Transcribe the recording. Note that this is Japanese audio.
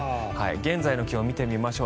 現在の気温見てみましょう。